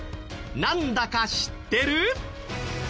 なんだか知ってる？